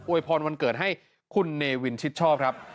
วยพรวันเกิดให้คุณเนวินชิดชอบครับ